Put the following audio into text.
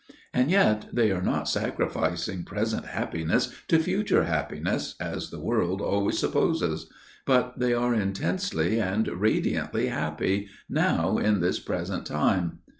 And yet they are not sacrificing present happiness to future happiness, as the world always supposes, but they are intensely and radiantly happy 'now in this present time.